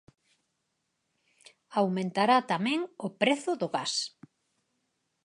Aumentará tamén o prezo do gas.